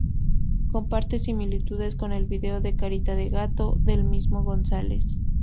Comparte similitudes con el vídeo de Carita de gato, del mismo González.